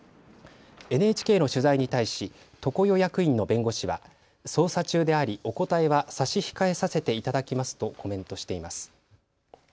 ＮＨＫの取材に対し常世役員の弁護士は捜査中でありお答えは差し控えさせていただきますとコメントしています。